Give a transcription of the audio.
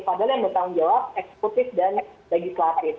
padahal yang bertanggung jawab eksekutif dan legislatif